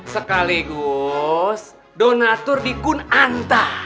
sekaligus donatur di kunanta